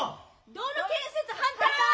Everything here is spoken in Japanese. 道路建設反対！